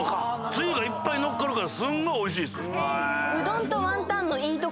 つゆがいっぱい乗っかるからすんごいおいしいです。